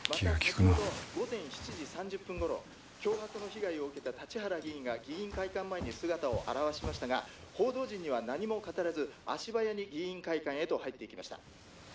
「また先ほど午前７時３０分頃脅迫の被害を受けた立原議員が議員会館前に姿を現しましたが報道陣には何も語らず足早に議員会館へと入っていきました」